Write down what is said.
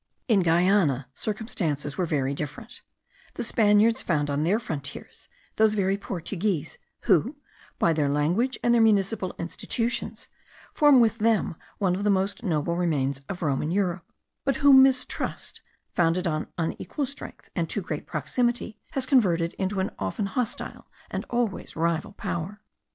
In Guiana circumstances were very different: the Spaniards found on their frontiers those very Portuguese, who, by their language, and their municipal institutions, form with them one of the most noble remains of Roman Europe; but whom mistrust, founded on unequal strength, and too great proximity, has converted into an often hostile, and always rival power.